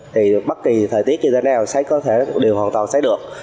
thì bất kỳ thời tiết như thế nào sấy có thể đều hoàn toàn sấy được